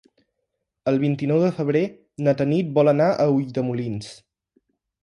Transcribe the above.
El vint-i-nou de febrer na Tanit vol anar a Ulldemolins.